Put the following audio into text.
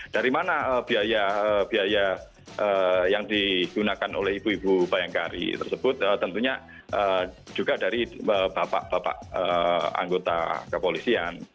dari mana biaya yang digunakan oleh ibu ibu bayangkari tersebut tentunya juga dari bapak bapak anggota kepolisian